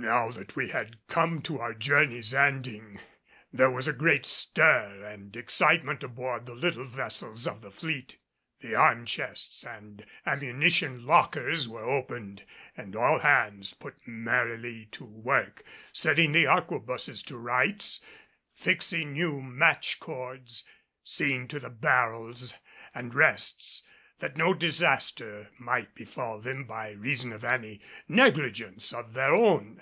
Now that we had come to our journey's ending there was a great stir and excitement aboard the little vessels of the fleet. The arm chests and ammunition lockers were opened and all hands put merrily to work setting the arquebuses to rights, fixing new match cords, seeing to the barrels and rests that no disaster might befall them by reason of any negligence of their own.